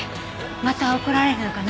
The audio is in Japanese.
また怒られるのかな？